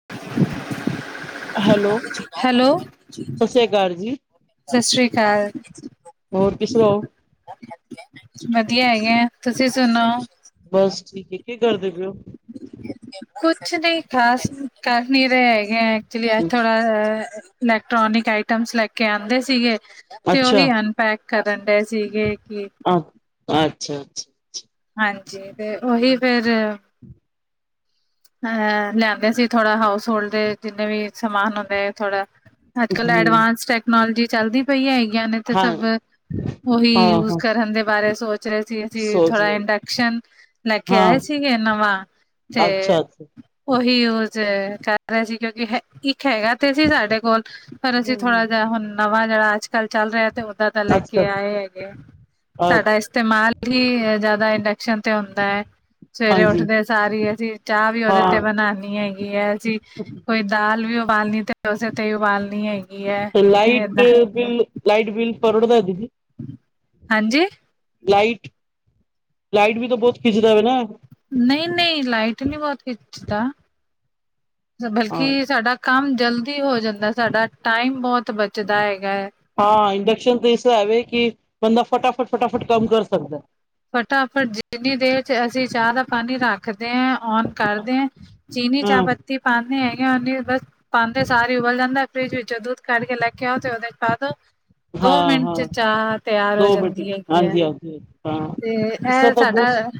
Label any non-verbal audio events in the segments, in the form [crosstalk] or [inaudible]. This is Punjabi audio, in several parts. [inaudible] ਹੈਲੋ, ਹੈਲੋ ਸਤਿ ਸ੍ਰੀ ਅਕਾਲ ਜੀ। ਸਤਿ ਸ੍ਰੀ ਅਕਾਲ, ਹੋਰ ਕਿ ਸੁਣਾਓ, ਵਧੀਆ ਹੈਗੇ, ਤੁਸੀਂ ਸੁਣੋ? ਬਸ ਠੀਕ ਕੀ ਕਰਦੇ ਪਏ ਹੋ? ਕੁਛ ਨਹੀਂ ਖਾਸ, ਕਰ ਨਹੀਂ ਰਹੇ ਹੈਗੇ ਆ। ਐਕਚਲੀ ਅਜੱ ਥੋੜਾ, ਇਲੈਕਟ੍ਰੋਨਿਕ ਆਈਟਮ, ਲੈ ਕੇ ਆਉਂਦੇ ਸੀਗੇ ਤੇ ਅੱਛਾ, ਉਹੀ ਹਨ। ਪੈਕ ਕਰਨ ਡਏ ਸੀਗੇ ਕਿ ਆਹ, ਅੱਛਾ-ਅੱਛਾ। ਹਾਂਜੀ ਤੇ ਉਹੀ ਫਿਰ ਅਹ ਲਿਆਂਦੇ ਸੀ ਥੋੜਾ ਹਾਊਸ ਹੋਲਡ ਦੇ ਜਿੰਨੇ ਵੀ ਸਮਾਨ ਹੁੰਦੇ ਥੋੜਾ। ਅੱਜਕਲ ਹਮ, ਐਡਵਾਂਸ ਟੈਕਨੋਲੋਜੀ ਚੱਲਦੀ ਪਈਆਂ ਹੈਗੀਆਂ ਨੇ? ਤੇ ਹਾਂ, ਸਭ ਉਹੀ ਹਾਂ, ਯੂਜ ਹਾਂ ਕਰਨ ਦੇ ਬਾਰੇ ਸੋਚ ਰਹੇ ਸੀ ਅਸੀਂ। ਸੋਚ ਥੋੜ੍ਹਾ ਇੰਡਕਸ਼ਨ ਲੈ ਕੇ ਹਾਂ, ਆਏ ਸੀਗੇ ਨਵਾਂ। ਤੇ? ਅੱਛਾ, ਅੱਛਾ, ਉਹੀ ਯੂਜ ਏ ਕਰ ਰਹਾ ਸੀ ਕਿਉਂਕਿ ਇੱਕ ਹੈਗਾ ਤੇ ਸੀ ਸਾਡੇ ਕੋਲ। ਪਰ ਅਸੀਂ ਥੋੜ੍ਹਾ ਹਮ, ਜਿਹਾ ਹੁਣ ਨਵਾਂ ਜਿਹੜਾ ਅੱਜਕੱਲ ਚੱਲ ਰਿਹਾ ਤੇ ਉਹਦਾ ਲੈ ਅੱਛਾ, ਕੇ ਆਏ ਹੈਗੇ। ਸਾਡਾ ਅੱਛਾ। ਇਸਤੇਮਾਲ ਹੀ ਜਿਆਦਾ ਇੰਡਕਸ਼ਨ ਤੇ ਹੁੰਦਾ ਹੈ, ਸਵੇਰੇ ਹਾਂਜੀ, ਉੱਠਦੇ ਸਾਰੀ ਅਸੀਂ ਚਾਹ ਵੀ ਉਹਦੇ ਤੇ ਹਾਂ ਬਣਾਨੀ ਏ। ਗੀ ਹੈ ਜੀ ਕੋਈ ਦਾਲ ਵੀ ਉਬਾਲਣੀ ਤੇ ਉਸੇ ਤੇ ਹੀ ਉਬਾਲਣੀ ਹੈਗੀ। ਹੈ ਤੇ ਲਾਈਟ ਏਦਾਂ ਤੇ ਬਿੱਲ ਲਾਈਟ ਬਿਲ ਪਰੜਦਾ ਦੀਦੀ। ਹਾਂਜੀ? ਲਾਈਟ, ਲਾਈਟ ਵੀ ਤਾਂ ਬਹੁਤ ਖਿੱਚਦਾ ਵਾ ਨਾ। ਨਹੀਂ-ਨਹੀਂ ਲਾਈਟ ਨਹੀਂੀ ਬਹੁਤ ਖਿੱਚਦਾ, ਹਾਂ। ਬਲਕਿ ਸਾਡਾ ਕੰਮ ਜਲਦੀ ਹੋ ਜਾਂਦਾ ਸਾਡਾ ਟਾਈਮ ਬਹੁਤ ਬਚਦਾ ਹੈਗਾ ਹੈ। ਹਾਂ ਇੰਡਕਸ਼ਨ ਤਾਂ ਇਸ ਹੈਵੇ ਕਿ ਬੰਦਾ ਫਟਾਫਟ-ਫਟਾਫਟ ਕੰਮ ਕਰ ਸਕਦਾ। ਫਟਾਫਟ ਜਿੰਨੀ ਦੇਰ 'ਚ ਅਸੀਂ ਚਾਹ ਦਾ ਪਾਣੀ ਰੱਖਦੇ ਹਾਂ ਓਨ ਕਰਦੇ ਆ ਚੀਨੀ, ਹਾਂ, ਚਾਹ ਪੱਤੀ ਪਾਉਂਦੇ ਹੈਗੇ ਉਹ ਬਸ ਪਾਉਂਦੇ ਸਾਰੇ ਹੀ ਉਬਲ ਜਾਂਦਾ। ਫਰਿੱਜ ਵਿੱਚੋਂ ਦੁੱਧ ਕੱਢ ਕੇ ਲੈ ਕੇ ਆਓ ਤੇ ਉਹਦੇ ਚ ਪਾ ਦੋ। ਦੋ ਹਾਂ, ਮਿੰਟ ਹਾਂ। ਚ ਚਾਹ ਤਿਆਰ ਹੋ ਜਾਂਦੀ ਹੈਗੀ ਹੈ। ਜੀ ਤੇ ਇਹ ਸਾਡਾ,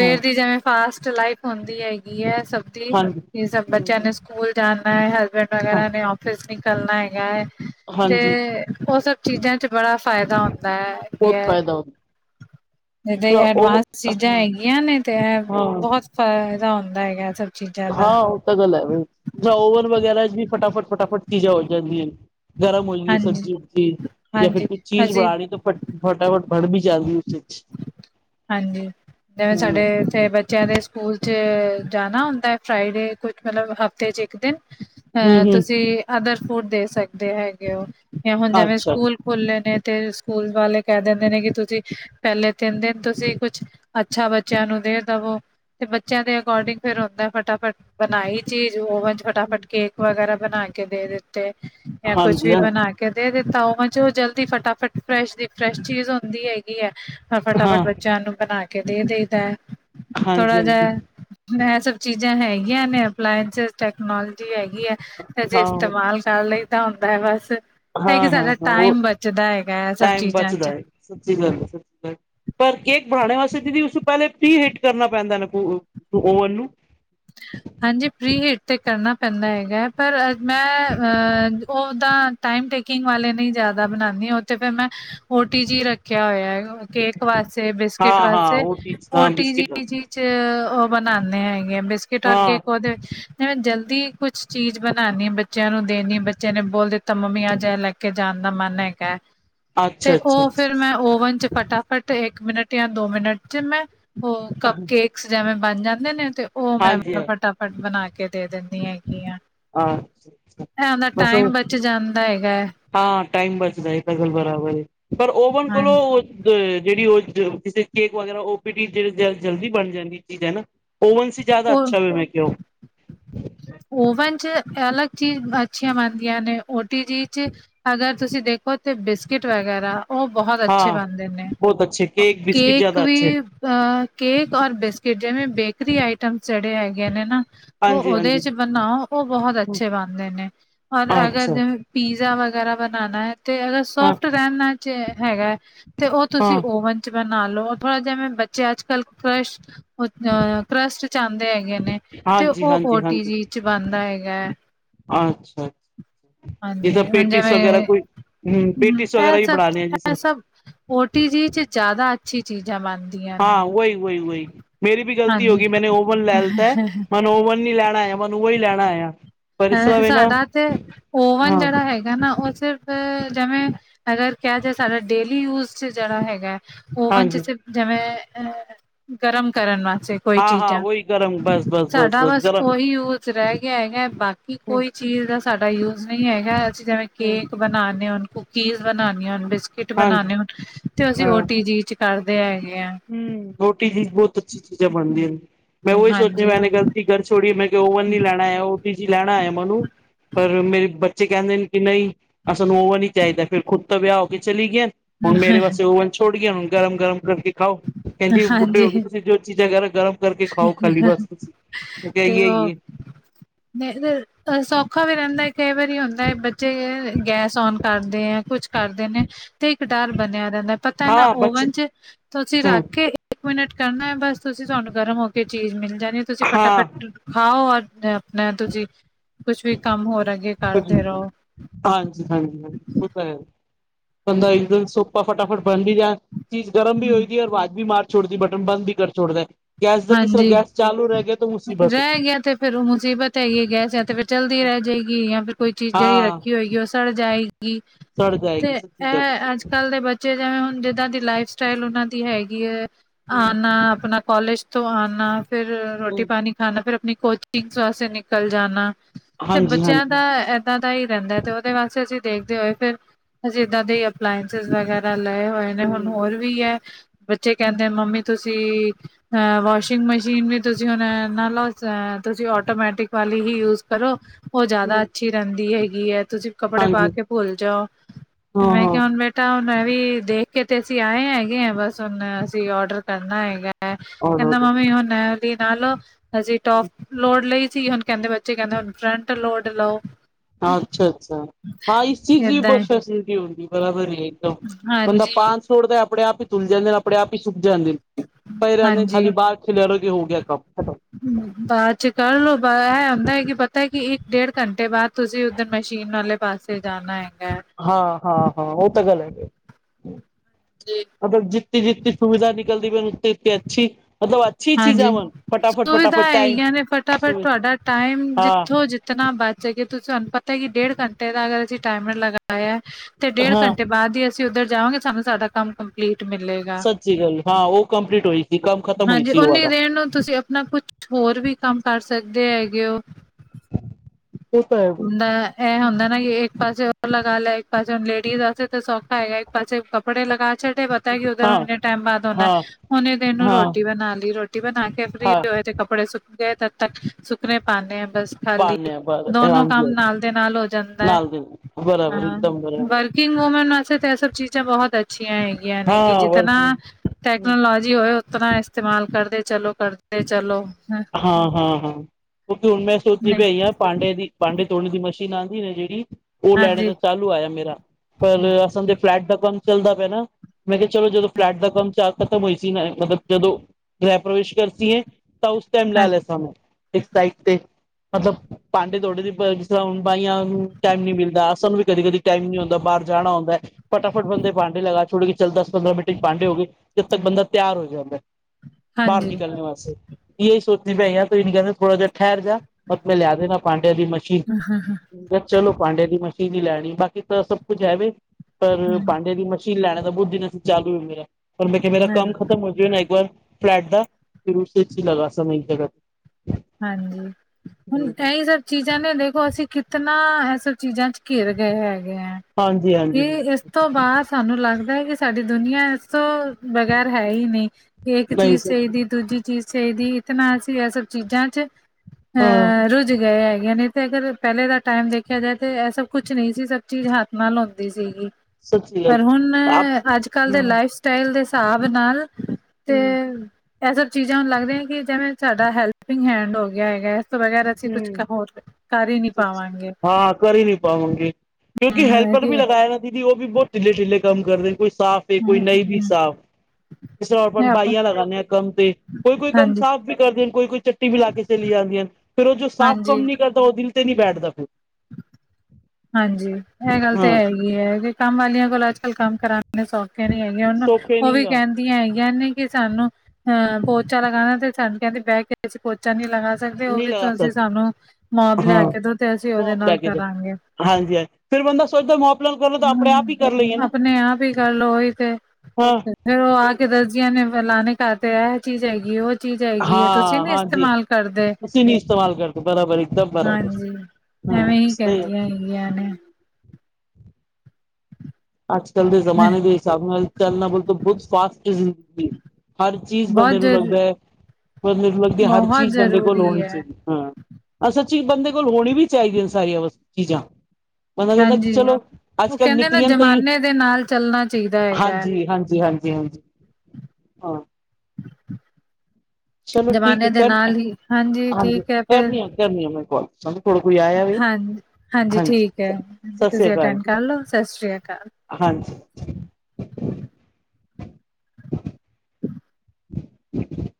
ਹਾਂ ਦੀ ਜਿਵੇਂ ਫਾਸਟ ਲਾਈਟ ਹੁੰਦੀ ਹੈਗੀ ਹੈ ਸਭ ਦੀ, ਹਾਂਜੀ ਸਭ ਬੱਚਿਆਂ ਨੇ ਸਕੂਲ ਜਾਣਾ ਹੈ ਹਸਬੈਂਡ ਹਾਂ ਵਗੈਰਾ ਨੇ ਆਫਿਸ ਨਿਕਲਣਾ ਹੈਗਾ ਹੈ, ਤੇ ਹਾਂਜੀ ਉਹ ਸਭ ਚੀਜ਼ਾਂ ਚ ਬੜਾ ਫਾਇਦਾ ਹੁੰਦਾ ਹੈ। ਬਹੁਤ ਫਾਇਦਾ ਹੁੰਦਾ। ਜੇ ਉਹ ਐਡਵਾਂਸ ਚੀਜ਼ਾਂ ਹਾਂ ਹੈਗੀਆਂ ਨੇ ਤੇ ਇਹ ਹਾਂ ਬਹੁਤ ਫਾਇਦਾ ਹੁੰਦਾ ਹੈਗਾ। ਚੀਜ਼ਾਂ ਦਾ ਹਾਂ ਉਹ ਤਾਂ ਗੱਲ ਹੈ ਬਈ, ਜਾਂ ਓਵਨ ਵਗੈਰਾ ਵੀ ਫਟਾਫਟ-ਫਟਾਫਟ ਚੀਜਾ ਹੋ ਜਾਂਦੀਆ। ਗਰਮ ਹੋ ਗਈ ਹਾਂਜੀ ਸਬਜ਼ੀ-ਸੁਬਜ਼ੀ ਜਾਂ ਫਿਰ ਹਾਂਜੀ ਕੁਛ ਚੀਜ਼ ਅਸੀਂ ਬਣਾਨੀ ਤਾਂ ਫਟ ਫਟਾਫਟ ਬਣ ਵੀ ਜਾਂਦੀ ਉਸੇ ਚ। ਹਾਂਜੀ, ਜਿਵੇਂ ਸਾਡੇ ਤੇ ਬੱਚਿਆਂ ਦੇ ਸਕੂਲ 'ਚ ਜਾਣਾ ਹੁੰਦਾ ਫਰਾਈਡੇ ਕੁਛ ਮਤਲਬ ਹਫ਼ਤੇ 'ਚ ਇੱਕ ਦਿਨ ਹੂੰ ਅਹ ਹੂੰ ਤੁਸੀਂ ਅਦਰ ਫੂਡ ਦੇ ਸਕਦੇ ਹੈਗੇ ਹੋ, ਜਾਂ ਹੁਣ ਜਿਵੇਂ ਅੱਛਾ ਸਕੂਲ ਖੁੱਲ੍ਹੇ ਨੇ ਤੇ ਸਕੂਲ ਵਾਲੇ ਕਹਿ ਦਿੰਦੇ ਨੇ ਕਿ ਤੁਸੀਂ ਪਹਿਲੇ ਤਿੰਨ ਦਿਨ ਤੁਸੀਂ ਕੁਛ ਅੱਛਾ ਬੱਚਿਆਂ ਨੂੰ ਦੇ ਦਵੋ। ਤੇ ਬੱਚਿਆਂ ਦੇ ਅਕੋਰਡਿੰਗ ਫੇਰ ਹੁੰਦਾ ਹੈ ਫਟਾਫਟ। ਬਣਾਈ ਚੀਜ਼ ਓਵਨ ਚ ਫਟਾਫਟ ਕੇਕ ਵਗੈਰਾ ਬਣਾ ਕੇ ਦੇ ਦਿੱਤੇ ਜਾਂ ਕੁੱਛ ਹਾਂਜੀ ਵੀ ਹਾਂ ਬਣਾ ਕੇ ਦੇ ਦਿੱਤਾ ਓਵਨ ਚ ਉਹ ਜਲਦੀ ਫਟਾਫਟ ਫਰੈਸ਼ ਦੀ ਫਰੈਸ਼ ਚੀਜ਼ ਹੁੰਦੀ ਹੈਗੀ ਹੈ। ਤਾਂ ਹਾਂ ਫਟਾਫਟ ਬੱਚਿਆਂ ਨੂੰ ਬਣਾ ਕੇ ਦੇ ਦਈ ਦਾ, ਹਾਂਜੀ ਥੋੜ੍ਹਾ ਜਾ ਹਾਂਜੀ ਮੈਂ ਇਹ ਸਭ ਚੀਜ਼ਾਂ ਹੈਗੀਆਂ ਨੇ ਅਪਲਾਇੰਸ ਟੈਕਨੋਲੋਜੀ ਹੈਗੀ ਆ। ਅਜੇ ਹਾਂ ਇਸਤੇਮਾਲ ਕਰ ਲਈ ਦਾ ਹੁੰਦਾ ਹੈ ਬਸ। ਇਹ ਹੈ ਕਿ ਹਾਂ ਹਾਂ ਸਾਡਾ ਹਾਂ ਟਾਈਮ ਬਚਦਾ ਹੈਗਾ ਆ ਸਭ ਚੀਜ਼ਾਂ ਚ। ਸਤਿ ਸ਼੍ਰੀ ਅਕਾਲ ਸਤਿ ਸ਼੍ਰੀ ਅਕਾਲ। ਪਰ ਕੇਕ ਬਣਾਣੇ ਵਾਸਤੇ ਦੀਦੀ ਉਸਨੂੰ ਪਹਿਲੇ ਪ੍ਰੀ ਹਿੱਟ ਕਰਨਾ ਪੈਂਦਾ ਨਾ ਓਵਨ ਨੂੰ? ਹਾਂਜੀ ਪ੍ਰੀ ਹਟ ਤੇ ਕਰਨਾ ਪੈਂਦਾ ਹੈਗਾ। ਪਰ ਮੈਂ ਅਹ ਓਦਾ ਟਾਈਮ ਟੇਕਿੰਗ ਵਾਲੇ ਨਹੀਂ ਜਿਆਦਾ ਬਣਾਨੀ ਉਹ ਤੇ ਫਿਰ ਮੈਂ ਓਟੀ ਜੀ ਰੱਖਿਆ ਹੋਇਆ, ਕੇਕ ਵਾਸਤੇ ਬਿਸਕਿਟ ਹਾਂ ਹਾਂ ਵਾਸਤੇ ਉਹ ਚੀਜ਼ ਹਾਂ ਓਟੀ ਬਿਸਕਿਟ ਜੀ ਜੀ। ਉਹ ਬਣਾਉਂਦੇ ਹੈਗੇ ਆ, ਬਿਸਕਿਟ ਔਰ ਹਾਂ ਕੇਕ ਉਹਦੇ ਜਵੇੈਂ ਜਲਦੀ ਕੁਛ ਚੀਜ਼ ਬਣਾਉਣੀ ਬੱਚਿਆਂ ਨੂੰ ਦੇਣੀ ਬੱਚਿਆਂ ਨੇ ਬੋਲ ਦਿੱਤਾ ਮੰਮੀ ਆ ਜਾਏ ਲੈ, ਕੇ ਜਾਣ ਦਾ ਮਨ ਹੈਗਾ। ਤੇ ਅੱਛਾ ਅੱਛਾ ਉਹ ਅੱਛਾ ਫਿਰ ਮੈਂ ਓਵਨ ਚ ਫਟਾਫਟ ਇੱਕ ਮਿੰਟ ਜਾਂ ਦੋ ਮਿੰਟ ਚ ਮੈਂ ਉਹ ਕੱਪ ਕੇਕਸ ਜਿਵੇਂ ਬਣ ਜਾਂਦੇ ਨੇ ਤੇ, ਉਹ ਮੈਂ ਹਾਂਜੀ-ਹਾਂਜੀ ਫਟਾਫਟ ਬਣਾ ਕੇ ਦੇ ਦਿੰਦੀ ਹੈਗੀ ਆਂ। ਅੱਛਾ ਅੱਛਾ ਇਹਦਾ ਬਸ ਟਾਈਮ ਬਚ ਬਚ ਜਾਂਦਾ ਹੈਗਾ। ਹਾਂ ਟਾਈਮ ਬਚਦਾ ਤਾਂਗਲ ਬਰਾਬਰ ਹੈ, ਪਰ ਓਵਨ ਹਾਂਜੀ ਕੋਲੋਂ ਜਿਹੜੀ ਉਹੇ ਕੇਕ ਵਗੈਰਾ ਓ ਪੀ ਡੀ ਜਲਦੀ ਬਣ ਜਾਂਦੀ ਚੀਜ਼ ਨਾ, ਓਵਨ ਚ ਜ਼ਿਆਦਾ ਉਹ ਅੱਛਾ ਵੀ ਮੈਂ ਕਿਹਾ। ਓਵਨ ਚ ਅਲੱਗ ਚੀਜ਼ ਅੱਛੀਆਂ ਬਣਦੀਆਂ, ਨੇ ਓਟੀ ਜੀ ਚ ਅਗਰ ਤੁਸੀਂ ਦੇਖੋ, ਇੱਥੇ ਬਿਸਕਿਟ ਵਗੈਰਾ, ਉਹ ਬਹੁਤ, ਅੱਛੇ ਹਾਂ ਬਣਦੇ ਨੇ ਬਹੁਤ ਅੱਛੇ ਕੇਕ ਬਿਸਕਿਟ ਕੇਕ ਜ਼ਿਆਦਾ ਵੀ। ਅੱਛੇ ਅ ਕੇਕ ਔਰ ਬਿਸਕਿਟ ਜਿਵੇਂ ਬੇਕਰੀ ਆਈਟਮ ਜਿਹੜੇ ਹੈਗੇ ਨੇ ਨਾ, ਉਹ ਹਾਂਜੀ ਉਹਦੇ ਹਾਂਜੀ ਚ ਬਣਾਓ, ਉਹ ਬਹੁਤ ਅੱਛੇ ਬਣਦੇ ਨੇ ਪਰ ਅਗਰ ਅੱਛਾ ਜਿਵੇਂ, ਪੀਜ਼ਾ ਵਗੈਰਾ ਬਣਾਨਾ ਹੈ। ਤੇ ਅਗਰ ਹਾਂ ਸੋਫਟ ਰਹਿਨਾ ਚ ਹੈਗਾ, ਤੇ ਉਹ ਤੁਸੀਂ ਹਾਂ ਓਵਨ ਬਣਾ ਲੋ ਥੋੜਾ ਜਿਹਾ, ਮੇ ਬੱਚੇ ਅੱਜ-ਕੱਲ ਕ੍ਰਸ਼ ਉਹ ਅਹ ਕਰਸਟ ਚਾਹਦੇ ਹੈਗੇ ਨੇ। ਤੇ ਹਾਂਜੀ ਓ ਹਾਂਜੀ ਓਟੀ ਹਾਂਜੀ ਜੀ ਚ ਬਣਦਾ ਹੈਗਾ। ਅੱਛਾ ਜਿੱਦਾਂ ਹਾਂਜੀ, ਹੁਣ ਪੇਟੀਸ ਵਗੈਰਾ ਜੈਵੇਂ ਕੋਈ ਹਮ ਐ ਸਭ ਐ ਸਭ ਓਟੀ ਜੀ ਚ ਜਾਦਾ ਅੱਛੀ ਚੀਜ਼ਾਂ ਬਣਦੀਐ। ਹਾਂ ਵਈ-ਵਈ-ਵਈ, ਮੇਰੀ ਵੀ ਗ਼ਲਤੀ ਹਾਂਜੀ ਹੋਗੀ, ਮੈਨੇ ਓਵਨ ਲੈ ਲਤਾ ਐ ਮੈਨੂੰ ਓਵਨ ਨੀ ਲੈਣਾ ਆ ਮੈਨੂੰ [unintelligible] ਲੈਣਾ ਆ। ਅ ਸਾਡਾ ਤੇ ਓਵਨ ਹਾਂ ਜੇੜਾ ਹੈਗਾ, ਨਾ ਓ ਸਿਰਫ ਅ ਜੈਵੇਂ ਅਗਰ ਕੈ ਜੇ ਸਾਡਾ ਡੇਲੀ ਯੂਜਡ ਜੇੜਾ ਹੈਗੈ ਓਵਨ ਚ ਹਾਂਜੀ ਜਿਵੇ ਅ ਗਰਮ ਕਰਨ ਵਾਸਤੇ। ਕੋਈ ਹਾਂ ਹਾਂ ਚੀਜ਼ਾਂ ਉਹੀ ਗਰਮ ਬਸ ਬਸ ਸਾਡਾ ਬਸ ਗਰਮ ਓਹੀ ਓ ਚ ਰੈ ਗਿਆ ਹੈਗੈ, ਬਾਕੀ ਹਮ ਕੋਈ ਚੀਜ਼ ਦਾ ਸਾਡਾ ਯੂਜ਼ ਨਈ ਹੈਗਾ ਅਸੀਂ ਹੈਵੇਂ ਹਮ ਕੇ ਬਣਾ ਨੇ ਆ ਹੁਣ ਕੂਕੀਜ਼ ਬਣਾਨੀਆਂ ਹੁਣ ਬਿਸਕਿਟ ਹਾਂਜੀ ਬਣਾਣੇ, ਹੁਣ ਤੇ ਅਸੀਂ ਓਟੀ ਜੀ ਚ ਕਰਦੇ ਹੈਗੇ ਐ। ਹੂੰ ਓਟੀ ਜੀ ਬੋਤ ਅੱਛੀ ਚੀਜ਼ਾਂ ਬਣਦੀਆ ਮੈਂ ਓਹੀ ਸੋਚ ਹਾਂਜੀ ਮੈਂਨੇ ਗਲਤੀ ਗਰ ਛੋੜੀਏ ਮੈਂ ਕਿਆ ਓਵਨ ਨੀ ਲੈਣਾ ਓ ਪੀ ਜੀ ਲੈਣਾ ਐ ਮਨੂੰ ਪਰ ਮੇਰੇ ਬੱਚੇ ਕੈਂਦੇ ਨੇ ਕਿ ਨਈ ਅ ਸਾਨੂੰ ਓਵਨ ਈ ਚਾਈਦਾ, ਫਿਰ ਖੁਦ ਤਾਂ ਵਿਆਹ ਹੋ ਕੇ ਚਲੀ ਗੀਆ ਹੁਣ ਮੇਰੇ ਵਾਸਤੇ ਓਵਨ ਛੋੜ ਗੇ, ਹੁਣ ਗਰਮ-ਗਰਮ ਕਰਕੇ ਖਾਓ ਕਹਿੰਦੀ ਬੁੱਢੇ ਹੋ ਗਏ ਹਾਂਜੀ ਤੁਸੀਂ ਜੋ ਚੀਜ਼ਾਂ ਵਗੈਰਾ ਗਰਮ ਕਰਕੇ ਖਾਓ, ਖਾਲੀ ਬਸ ਤੁਸੀਂ [unintelligible] ਮੈਂ [unintelligible] ਸੌਖਾ ਵੀ ਰੇਂਦਾ ਏ ਕਈ ਵਾਰੀ ਹੁੰਦਾ ਏ, ਬੱਚੇ ਗੈਸ ਔਨ ਕਰਦੇ ਐ ਕੁੱਛ ਕਰਦੇ ਨੇ। ਤੇ ਇੱਕ ਡਰ ਬਣਿਆ ਰੇਂਦਾ। ਪਤਾ ਐ ਨਾ ਹਾਂ ਬੱਚੇ ਓਵਨ ਚ ਤੁਸੀਂ ਹਾਂ ਰੱਖ ਕੇ ਇੱਕ ਮਿੰਟ ਕਰਨਾ ਏ ਬਸ ਤੁਸੀਂ ਤੁਹਾਨੂੰ ਗਰਮ ਹੋ ਕੇ ਚੀਜ਼ ਮਿਲ ਜਾਣੀ, ਤੁਸੀਂ ਹਾਂ ਫਟਾਫਟ ਖਾਓ ਓਰ ਆਪਣਾ ਤੁਸੀਂ ਕੁੱਛ ਵੀ ਕੰਮ ਹੋ [unintelligible] ਹਾਂਜੀ-ਹਾਂਜੀ ਮੈਮ। ਬੰਦਾ ਇੱਕ ਦਿਨ [unintelligible] ਫਟਾਫਟ ਬਣ ਵੀ ਜਾ ਚੀਜ਼ ਗਰਮ ਵੀ ਹੋਏ ਗੀ ਓਰ ਵਾਜ ਵੀ ਮਾਰ ਛੁੜਦੀ ਬਟਨ ਬੰਦ ਵੀ ਕਰ, ਛੋੜਦੇ ਗੈਸ ਦਾ ਕਿਸ ਤਰ੍ਹਾਂ ਹਾਂਜੀ ਗੈਸ ਚਾਲੂ ਰੈ ਗਿਆ ਤਾਂ ਮੁਸੀਬਤ ਏ। ਰਹਿ ਗਿਆ ਤੇ ਫਿਰ ਓ ਮੁਸੀਬਤ ਹੈਗੀ ਐ, ਗੈਸ ਐ ਤੇ ਫਿਰ ਚਲਦੀ ਰੈ ਜੇਗੀ ਯਾਂ ਫਿਰ ਕੋਈ ਚੀਜ਼ ਜੇੜੀ ਰੱਖੀ ਹੋਏਗੀ, ਓ ਸੜ ਜਾਏਗੀ ਤੇ ਜਾਏਗੀ ਸੱਚੀ ਗੱਲ ਐ ਅੱਜ-ਕੱਲ੍ਹ ਦੇ ਬੱ ਚੇ ਜਿਵੇਂ ਹੁਣ ਜਿਦਾਂ ਦੀ ਲਾਈਫ ਸਟਾਈਲ ਉਨਾਂ ਦੀ ਹੈਗੀ ਐ, ਆ ਹਮ ਨਾ ਆਪਣਾ ਕੋਲਜ ਤੋਂ ਆਣਾ ਫਿਰ ਰੋਟੀ ਹਮ ਪਾਣੀ ਖਾਨਾ ਫਿਰ ਆਪਣੀ ਕੋਚਿੰਗ ਵਾਸਤੇ ਨਿਕਲ ਜਾਣਾ। ਤੇ ਹਾਂਜੀ ਬੱਚਿਆਂ ਹਾਂਜੀ ਦਾ ਐ ਏਦਾਂ ਦਾ ਈ ਰੈਂਦੈ ਤੇ ਓਦੇ ਵਾਸਤੇ ਅਸੀਂ ਦੇਖਦੇ ਹੋਏ ਫੇਰ ਅਸੀਂ ਇੱਦਾਂ ਦੇ ਹੀ ਅਪਲਾਇੰਸ ਵਗੈਰਾ ਲਏ ਹੋਏ ਨੇ ਹੁਣ ਹੋਰ ਵੀ ਐ ਬੱਚੇ ਕੈਂਦੇ ਮੰਮੀ ਤੁਸੀਂ ਅ ਵਾਸ਼ਿੰਗ ਮਸ਼ੀਨ ਵੀ ਤੁਸੀਂ ਹੁਣ ਤੁਸੀਂ ਆਟੋਮੈਟਿਕ ਵਾਲੀ ਹੀ ਯੂਜ ਕਰੋ। ਓ ਜ਼ਿਆਦਾ ਅੱਛੀ ਰਹਿੰਦੀ ਹੈਗੀ ਐ, ਤੁਸੀਂ ਕੱਪੜੇ ਪਾ ਹਾਂਜੀ ਕੇ ਭੁੱਲ ਜਾਓ ਤੇ ਹਾਂ ਮੈਂ ਹਾਂ ਕਿਆ ਹੁਣ ਤਾਂ ਹੁਣ ਐ ਵੀ ਦੇਖ ਕੇ ਤੇ ਅਸੀਂ ਆਏ ਹੈਗੇ ਐ, ਬਸ ਹੁਣ ਅਸੀਂ ਔਡਰ ਕਰਨਾ ਹੈਗੈ। ਔਰ ਕੈਂਦਾ ਮੰਮੀ ਹੁਣ ਨਲੀ ਨਾਲ ਅਜੀ ਟੋਪ ਲੋੜ ਲਈ ਸੀ ਹੁਣ ਕੈਂਦੇ ਬੱਚੇ ਕੈਂਦੇ ਹੁਣ ਫਰੰਟ ਲੋਡ ਲਓ। ਹਾਂ ਅੱਛਾ-ਅੱਛਾ ਹਾਂ ਇਸ ਚੀਜ ਏਦਾਂ ਬ ਹੈ [unintelligible] ਹੁੰਦੀ ਬਰਾਬਰ ਈ ਐ ਇੱਕਦਮ। ਹਾਂਜੀ। ਤੋੜਦਾ ਆਪਣੇ ਆਪ ਈ ਤੁਲ ਜਾਂਦੇ ਨੇ ਆਪਣੇ ਆਪ ਹੀ ਸੁੱੱਕ ਜਾਂਦੇ ਨੇ ਪਏ ਰੈਂਦੇ ਨੇ ਖਾਲੀ ਹਾਂਜੀ ਬਾਰ ਹੋ ਗਿਆ ਕੰਮ ਬਾਦ ਚ ਕਰ ਲੋ ਬ ਐ ਹੁੰਦਾ ਹੈ ਕੀ ਪਤਾ ਕੀ ਇੱਕ ਡੇਢ ਘੰਟੇ ਬਾਦ ਤੁਸੀਂ ਉੱਧਨ ਮਸ਼ੀਨ ਵਾਲੇ ਪਾਸੇ ਜਾਣਾ ਹੈਗੈ। ਹਾਂ-ਹਾਂ-ਹਾਂ ਓ ਤਾਂ ਗਲ [unintelligible] ਠੀਕ। ਮਤਲਬ ਜਿੱਤੀ-ਜਿੱਤੀ ਸੁਵਿਧਾ ਨਿਕਲਦੀ ਬ ਉਤੀ-ਉਤੀ ਅੱਛੀ ਮਤਲਬ ਅ ਹਾਂਜੀ ਸੁਵਿਧਾ ਹੈਗੀਆਂ ਨੇ ਫਟਾਫਟ ਤੁਹਾਡਾ ਟਾਈਮ ਜਿੱਥੋਂ ਜਿੱ ਤਨਾ ਬੱਚ ਜਾਏ ਤੁਸੀਂ ਤਾਂਨੂੰ ਪਤਾ ਕਿ ਡੇਢ ਘੰਟੇ ਦਾ ਅਗਰ ਅਸੀਂ ਟਾਈਮਰ ਲੱਗਾ ਗਿਆ ਤੇ ਡੇਢ ਘੰਟੇ ਬਾਦ ਈ ਅਸੀਂ ਉੱਧਰ ਜਾਵਾਂਗੇ ਸਾਨੂੰ ਸਾਡਾ ਕੰਮ ਕੰਪਲੀਟ ਮਿਲੇ। ਸੱਚੀ ਗੱਲ ਏ, ਹਾਂ ਉਹ ਕੰਪਲੀਟ ਹੋਈ ਸੀ ਕੰਮ ਖਤ ਹਾਂਜੀ ਓਨੀ ਦੇਰ ਨੂੰ ਤੁਸੀਂ ਆਪਣਾ ਕੁਛ ਹੋਰ ਵੀ ਕੰਮ ਕਰ ਸਕਦੇ ਹੈਗੇ ਹੋ। ਉਹ ਤਾਂ ਹੈ ਬਈ ਹੁੰਦਾ ਇਹ ਹੁੰਦਾ ਨਾ ਕਿ ਇੱਕ ਪਾਸੇ ਲਗਾ ਲੈ, ਇੱਕ ਪਾਸੇ ਲੇਡੀਜ਼ ਆਸਤੇ ਤੇ ਸੌਖਾ ਹੈਗਾ ਇੱਕ ਪਾਸੇ ਕੱਪੜੇ ਲਗਾ ਛੱਡੇ ਪਤਾ ਕਿ ਉੱਧਰ ਹਾਂ ਇੰਨੇ ਟਾਈਮ ਬਾਅਦ ਹੋਣੈ ਹਾਂ ਹੁਣੇੇ ਦਿਨ ਨੂੰ ਰੋਟੀ ਹਾਂ ਰੋਟੀ ਬਣਾ ਲਈ ਰੋਟੀ ਬਣਾ ਕੇ ਫਿਰ ਹਾਂ ਜੋੇ ਕੱਪੜੇ ਸੁੂਖ ਗਏ ਤਦ ਤੱਕ ਸੁੂਖੇ ਪਾਨੇ ਹੈ ਬਸ। ਖਾਲੀ ਦੋਨੋ ਕੰਮ ਨਾਲ ਦੇ ਨਾਲ ਹੋ ਜਾਂਦਾ ਹੈ। ਹਾਂ ਵਰਗ ਕਿੰਗ ਵੂਮੈਨ ਵਾਸਤੇ ਤਾਂ ਇਹ ਸਭ ਚੀਜ਼ਾਂ ਬਹੁਤ ਅੱਛੀਆਂ ਹੈਗੀੀਆਂ ਨੇ ਕਿ ਜਿਤਨਾ ਟੈਕਨੋਲੋਜੀ ਹੋਏ ਉਤਨਾ ਇਸਤੇਮਾਲ ਕਰਦੇ ਚਲੋ, ਕਰਦੇ ਚਲੋ ਹਾਂ, ਹਾਂ, ਹਾਂ ਕਿਉਂਕਿ ਹੁਣ ਮੈਂ ਸੋਚਣੀ ਨਹੀਂ ਪਈ ਹਾਂ ਪਾਂਡੇ ਦੀ ਭਾਂਡੇ ਧੋਣ ਦੀ ਮਸ਼ੀਨ ਆਉਂਦੀ ਨੇ ਜਿਹੜੀ ਉਹ ਲੈਣੇ ਹਾਂਜੀ ਦਾ ਚਾਲੂ ਆਇਆ ਮੇਰਾ ਪਰ ਅਸਾਂ ਦੇ ਫਲੈਟ ਦਾ ਕੰਮ ਚੱਲਦਾ ਪਿਆ ਨਾ ਮੈਂ ਕਿਹਾ ਚਲੋ ਜਦੋਂ ਫਲੈਟ ਦਾ ਕੰਮ ਚ ਖਤਮ ਹੋਈ ਸੀ ਨਾ ਮਤਲਬ ਜਦੋਂ ਗ੍ਰਹਿ ਪ੍ਰਵੇਸ਼ ਕਰ ਸੀ ਇਹ ਉਸ ਟਾਈਮ ਲੈ ਲੈੈਂ ਹਾਂਜੀ ਸਨ ਇੱਕ ਸਾਈਡ ਤੇ ਮਤਲਬ ਭਾਂਡੇ ਥੋੜੇ ਦਿਨ ਹੁਣ ਬਾਈਆਂ ਨੂੰ ਟਾਈਮ ਨੀ ਮਿਲਦਾ ਸਾਨੂੰ ਵੀ ਕਦੀ ਕਦੇ ਟਾਈਮ ਨੀ ਹੁੰਦਾ ਬਾਹਰ ਜਾਣਾ ਹੁੰਦੈ। ਫਟਾਫਟ ਬੰਦੇ ਭਾਂਡੇ ਲਗਾ ਛੋੜੇ ਚੱਲ ਦਸ ਪੰਦਰਾਂ ਮਿੰਟ ਚ ਪਾਂਡੇ ਹੋ ਗਏ ਜਦ ਤੱਕ ਬੰਦਾ ਤਿਆਰ ਹੋ ਜਾਂਦੈ। ਬਾਹਰ ਨਿਕਲਣ ਵਾਸਤੇ ਇਹੀ ਸੋਚਣੀ ਪਈ ਆ ਕਹਦੇ ਥੋੜਾ ਜਿਹਾ ਠਹਿਰ ਜਾ ਆਪੇ ਲਿਆ ਦੇਣਾ ਭਾਂਡਿਆ ਦੀ ਮਸ਼ ਹੂੰ, ਹੂੰ, ਹੂੰ। ਚਲੋ ਭਾਂਡੇ ਦੀ ਮਸ਼ੀਨ ਹੀ ਲੈਣੀ ਬਾਕੀ ਤਾਂ ਸਭ ਕੁੱਝ ਹੈਵੇ ਪਰ ਹਾਂਜੀ ਭਾਂਡੇ ਦੀ ਮਛੀ ਚ ਲੈਣਾ ਤਾਂ ਬਹੁਤ ਦਿਨ ਅਸੀਂ ਚਾਲੂ ਏ ਮੇਰਾ ਪਰ ਮੈਂ ਕਿਆ ਮੇਰਾ ਕੰਮ ਖਤਮ ਹੋ ਨਾ ਇੱਕ ਵਾਰ ਫਲੈਟ ਦਾ ਫਿਰ ਉਸ [unintelligible] ਲਗਾ ਸਮ ਹਾਂਜੀ ਹੁਣ ਇਹੀ ਸਰ ਚੀਜ਼ਾਂ ਨੇ ਦੇਖੋ ਅਸੀਂ ਕਿਤਨਾ ਇਹ ਸਭ ਚੀਜ਼ਾਂ ਚ ਘਿਰ ਗਏ ਹੈਗੇ ਹੈ। ਹਾਂਜੀ ਕੀ ਹਾਂਜੀ ਹਾਂ, ਇਸ ਤੋਂ ਬਾਅਦ ਸਾਨੂੰ ਲੱਗਦਾ ਹੈ ਕਿ ਸਾਡੀ ਦੁਨੀਆਂ ਇਸ ਤੋਂ ਬਗ਼ੈਰ ਹੈ ਹੀ ਨਹੀਂ ਕਿ ਇੱਕ ਨਹੀਂ ਚੀਜ਼ ਸੱਚੀ ਚਾਹੀਦੀ, ਦੂਜੀ ਚੀਜ਼ ਚਾਹੀਦੀ ਇਤਨਾ ਅਸੀ ਚੀਜ਼ਾਂ ਚ ਹਾਂ ਅਹ ਰੁਝ ਗਏ ਹੈਗੇ ਨੇ ਤੇ ਅਗਰ ਪਹਿਲੇ ਦਾ ਟਾਈਮ ਦੇਖਿਆ ਜਾਏ ਤੇ ਇਹ ਸਭ ਕੁਛ ਨਹੀਂ ਸੀ ਸਭ ਚੀਜ਼ ਹੱਥ ਨਾਲ ਹੁੰਦੀ ਸੀਗੀ। ਸੱਚੀ ਗੱਲ ਪਰ ਹੁਣ ਆਪ ਅੱਜ ਕੱਲ੍ਹ ਦੇ ਹੂੰ ਲਾਈਫ ਸਟਾਇਲ ਦੇ ਹਿਸਾਬ ਨਾਲ ਤੇ ਹੂੰ ਇਹ ਸਭ ਚੀਜ਼ਾਂ ਲੱਗਦੀ ਕਿ ਜਿਵੇਂ ਸਾਡਾ ਹੈਲਥ ਸਿੰਗ ਹੈਂਡ ਹੋ ਗਿਆ ਹੈਗੈ। ਉਸ ਤੋਂ ਬਗੈਰ, ਅਸੀਂ ਕੁਛ ਹੂੰ ਹੋਰ, ਕਰ ਹੀ ਨਹੀਂ ਪਾਵਾਂਗੇ। ਕਿਉਂਕਿ, ਹੈਲਪਰ ਵੀ ਹਾਂਜੀ ਲਗਾਾਇਆ ਨਾ ਦੀਦੀ, ਉਹ ਵੀ ਬਹੁਤ ਢਿਲੇ- ਢਿਲੇ, ਕੰਮ ਕਰਦੇ ਨੇ, ਕੋਈ ਸਾਫ਼ ਤੇ ਕੋਈ ਨਹੀਂ ਵੀ ਸਾਫ਼, ਇਸ ਤਰਾਂ ਆਪਾਂ ਬਾਈਆਂ ਲਗਾਨੇ ਹਾਂ। ਕੰਮ ਤੇ ਕੋਈ- ਕੋਈ, ਕੰਮ ਸਾਫ਼ ਵੀ ਕਰਦੇ ਨੇ। ਕੋਈ ਕੋਈ ਚੱਟੀ ਵੀ, ਲਾ ਕੇ ਚਲੀ ਜਾਂਦੀਆਂ ਹਨ। ਫਿਰ ਉਹ ਜੋ ਸਾਫ਼ ਹਾਂਜੀ ਕੰਮ ਨ ਕਰਦਾ ਉਹ ਦਿਲ ਤੇ ਨਹੀਂ ਬੈਠਦਾ ਫਿਰ ਹਾਂਜੀ, ਇਹ ਗੱਲ ਤਾਂ ਹੈ, ਹੀ, ਹੈ। ਕਿ ਕੰਮ ਵਾਲੀਆਂ ਕੋਲ, ਅੱਜ ਕੱਲ ਕੰਮ ਕਰਾਣੇ ਨੇ ਸੌਖ ਕਹਿਣੀ ਹੈਗੀ ਉਹਨੂੰ। ਉਹ ਵੀ ਕਹਿਣ। ਹੈਗੀਆਂ ਨੇ ਕਿ, ਸਾਨੂੰ ਅਹ ਪੋਚਾ ਲਗਾਣਾ। ਤੇ ਸਾਨੂੰ ਕਹਿੰਦੇ, ਬਹਿ ਕੇ ਅਸੀ ਪੋਚਾ ਨੀ ਲਗਾ ਸਕਦੇ ਉਹ ਨਹੀਂ ਵੀ, ਲਗਾ ਤੂਸੀਂ ਸਕਦੇ ਸਾਨੂੰ ਮੋਬ, ਲੈ ਕੇ ਦੋ। ਤੇ ਅਸੀਂ ਉਹਦੇ ਨਾਲ ਕਰਾਂਗੇ। ਹਾਂਜੀ-ਹਾਂਜੀ, ਫੇਰ ਬੰਦਾ ਸੋਚਦਾ, ਮੁ ਹਾ, ਆਪਣੇ ਆਪ ਹੀ ਕਰਲਓ। ਉਹੀ ਤੇ, ਹਾਂ ਫੇਰ ਉਹ ਆ ਕੇ ਦੱਸ ਕਹਦਿਂਆ ਨੇ ਫਲਾਂਨੇ ਘਰ ਤੇ, ਇਹ ਚੀਜ਼ ਹੈਗੀ ਉਹ ਚੀਜ਼ ਹੈਗੀ ਹੈ। ਤੁਸੀਂ ਹਾਂ ਨੀ, ਹਾਂਜੀ ਇਸਤੇਮਾਲ ਕਰਦੇ। ਤੁਸੀਂ ਨਹੀਂ ਇਸਤੇਮਾਲ ਕਰਦੇ ਹਾਂਜੀ। ਹਾਂ ਐਵੇਂ ਹੀ, ਕਹਿੰਦੀਆਂ ਸਹੀ ਹੈਗੀਆਂ ਨੇ। ਅੱਜ ਕੱਲ ਦੇ ਜ਼ਮਾਨੇ ਦੇ, ਹਿਸਾਬ ਨਾਲ ਚੱਲਣਾ, ਬੋਲ ਬਹੁਤ ਫਾਸਟ ਜ਼ਿੰ ਹਰ ਚੀਜ਼ ਬਹੁਤ ਬੰਦੇ ਨੂੰ ਜ਼ਰੂ ਲੱਗਦਾ ਏ, ਬੰਦੇ ਨੂੰ ਲੱਗਦੀ, ਹਰ ਬਹੁਤ ਚੀਜ਼ ਬੰਦੇ ਕੋਲ ਜ਼ਰੂਰੀ ਹੋਣੀ ਹੈ ਚਾਹੀਦੀ। ਹਾਂ, ਸੱਚੀ ਬੰਦੇ ਕੋਲ, ਹੋਣੀ ਵੀ ਚਾਹੀਦੀਆਂ ਨੇ ਸਾਰੀਆਂ ਚੀਜ਼ਾਂ। ਬੰਦਾ ਕਹਿੰਦਾ ਹਾਂਜੀ ਚਲੋ। ਅੱਜ ਉਹ ਕੱਲ ਕਹਿੰਦੇ ਨਾ ਨਿਕਲਆਂ ਤਾਂਹੀ ਜ਼ਮਾਨੇ ਦੇ ਨਾਲ ਚੱਲਣਾ ਚਾਹੀਦਾ ਹੈਗਾ ਹੈ ਹਾਂਜੀ, ਹਾਂਜੀ-ਹਾਂਜੀ। ਜੀ ਹਾਂਜੀ, ਹਾਂ। ਚਲੋ ਠੀਕ ਜ਼ਮਾਨੇ ਹੈ ਦੇ ਕਰ ਨਾਲ ਹੀ, ਹਾਂਜੀ। ਠੀਕ ਹੈ ਫੇਰ ਕਰਨੀ ਆ ਕਰਨੀ ਆ, ਮੇ ਕੋਲ। [unintelligible] ਹਾਂਜੀ-ਹਾਂਜੀ, ਠੀਕ ਹੈ। ਸਤਿ ਸ੍ਰੀ ਤੁਸੀਂ ਅਕਾਲ ਅਟੈਂਡ ਜੀ ਕਰ ਲੋ। ਸਤਿ ਸ੍ਰੀ ਅਕਾਲ। ਹਾਂਜੀ, ਜੀ [inaudible] [inaudible]